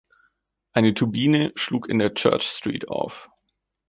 Eine Turbine schlug in der Church Street auf.